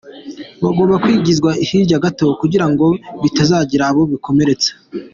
Bagomba kwigizwa hirya gato kugira ngo bitazagira abo bikomeretsa”.